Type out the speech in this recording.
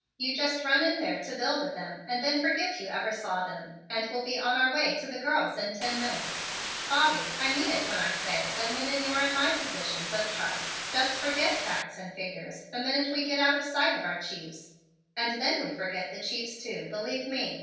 You just run in there to Bill with them and then forget you ever saw them, and we'll be on our way to the girls in ten minutes. Bobby, I mean it when I say that men in your and my positions of trust just forget facts and figures the minute we get out of sight of our chiefs. And we forget the chiefs too, believe me.